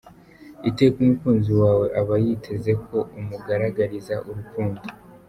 Iteka umukunzi wawe aba yitezeko umugaragariza urukundo.